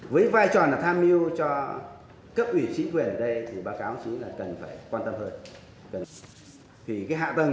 với vai trò là tham mưu cho cấp ủy sĩ quyền ở đây thì bác cáo sĩ là cần phải quan tâm hơn